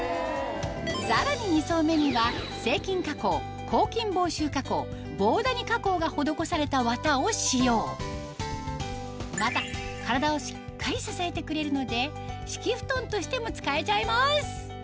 さらに２層目にはが施された綿を使用また体をしっかり支えてくれるので敷布団としても使えちゃいます